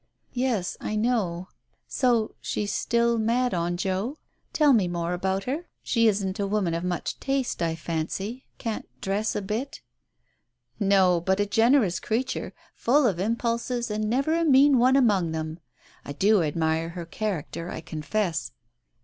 "Yes, I know. So she's still mad on Joe? Tell me more about her. She isn't a woman of much taste, I fancy — can't dress a bit?" "No, but a generous creature, full of impulses and never a mean one among them. I do admire her character, I confess."